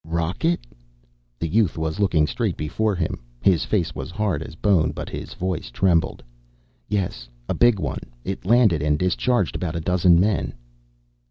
"Rocket?" The youth was looking straight before him. His face was hard as bone, but his voice trembled. "Yes. A big one. It landed and discharged about a dozen men."